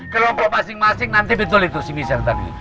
kelompok masing masing nanti betul itu si misal tadi